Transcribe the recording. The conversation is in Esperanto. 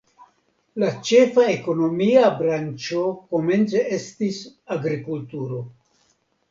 La ĉefa ekonomia branĉo komence estis agrikulturo.